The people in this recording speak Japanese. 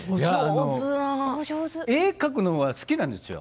絵を描くのは好きなんですよ。